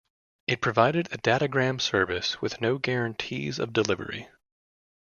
It provided a datagram service with no guarantees of delivery.